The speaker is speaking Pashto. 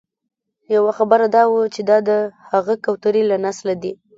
یوه خبره دا وه چې دا د هغه کوترې له نسله دي.